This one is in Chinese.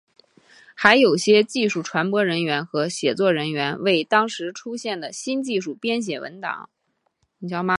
还有些技术传播人员和写作人员为当时出现的新技术编写文档。